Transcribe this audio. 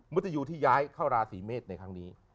มุตยูที่ย้ายเข้าราศีเมษในครั้งนี้